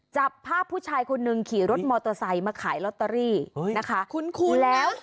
จับภาพผู้ชายคนนึงขี่รถมอเตอร์ไซค์มาขายลอตเตอรี่นะคะ